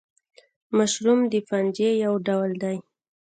مشروم د فنجي یو ډول دی